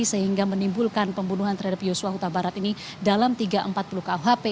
sehingga menimbulkan pembunuhan terhadap yosua huta barat ini dalam tiga ratus empat puluh kuhp